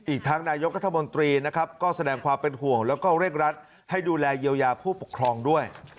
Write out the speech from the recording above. อีกทั้งนายกรัฐมนตรีนะครับก็แสดงความเป็นห่วงแล้วก็เร่งรัดให้ดูแลเยียวยาผู้ปกครองด้วย